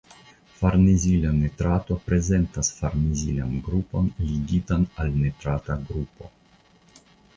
Farnezila nitrato prezentas farnezilan grupon ligitan al nitrata grupo.